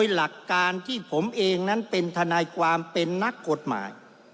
หลักการที่ผมเองนั้นเป็นทนายความเป็นนักกฎหมาย